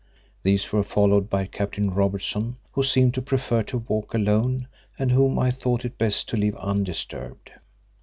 These were followed by Captain Robertson, who seemed to prefer to walk alone and whom I thought it best to leave undisturbed.